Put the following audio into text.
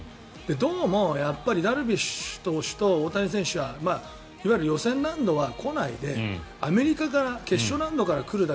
どうもやっぱりダルビッシュ投手と大谷投手はいわゆる予選ラウンドは来ないでアメリカ決勝ラウンドから来る。